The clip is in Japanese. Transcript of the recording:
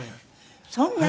そんなに？